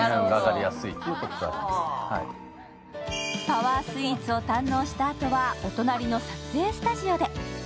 パワースイーツを堪能したあとは、お隣の撮影スタジオへ。